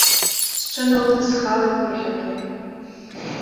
Сҽыналыдсхалеит иаҳагьы.